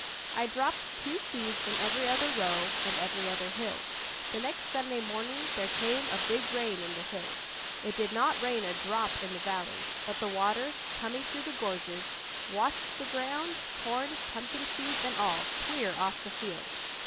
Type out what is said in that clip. I dropped two seeds in every other row and every other hill. The next Sunday morning there came a big rain in the hills it did not rain a drop in the valley, but the water, coming through the gorges, washed the ground, corn, pumpkin seeds and all, clear off the field!"